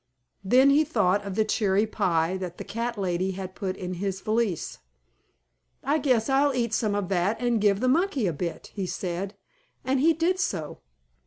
Then he thought of the cherry pie, that the cat lady had put in his valise. "I guess I'll eat some of that and give the monkey a bit," he said, and he did so.